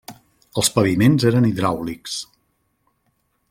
Els paviments eren hidràulics.